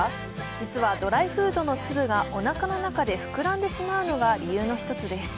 実はドライフードの粒がおなかの中で膨らんでしまうのが理由の一つです。